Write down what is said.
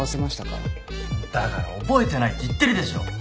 だから覚えてないって言ってるでしょ。